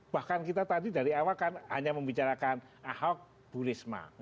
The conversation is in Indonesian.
bahkan kita tadi dari awal kan hanya membicarakan aho burisma